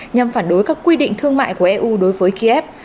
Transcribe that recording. nhằm phản đối các quy định thương mại của eu đối với kiev